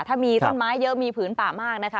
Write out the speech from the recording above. ถ้ามีต้นไม้เยอะมีผืนป่ามากนะคะ